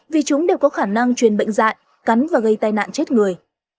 vì chúng đều có khả năng truyền bệnh dạy cắn và gây tai nạn chết người